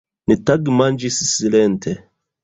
Ni tagmanĝis silente.